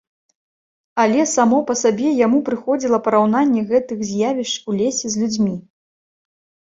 Але само па сабе яму прыходзіла параўнанне гэтых з'явішч у лесе з людзьмі.